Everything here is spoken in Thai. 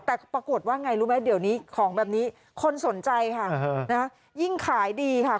แต่ปรากฏว่าไงรู้ไหมเดี๋ยวนี้ของแบบนี้คนสนใจค่ะยิ่งขายดีค่ะ